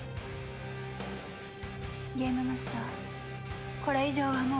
ゲームマスターこれ以上はもう。